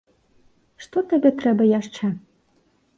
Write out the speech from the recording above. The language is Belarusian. Што табе трэба яшчэ?